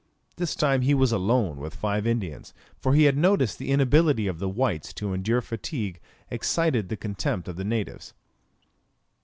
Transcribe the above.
This time he was alone with five Indians, for he had noticed that the inability of the whites to endure fatigue excited the contempt of the natives.